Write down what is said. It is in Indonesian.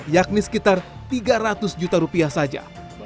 yakni sekitar tiga ratus juta rupiah saja